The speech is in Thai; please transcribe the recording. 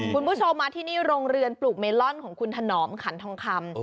คุณผู้ชมมาที่นี่โรงเรือนปลูกเมลอนของคุณถนอมขันทองคำ